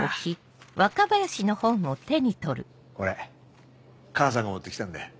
これ母さんが持ってきたんだよ。